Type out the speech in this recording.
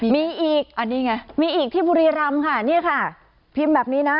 มีอีกอันนี้ไงมีอีกที่บุรีรำค่ะนี่ค่ะพิมพ์แบบนี้นะ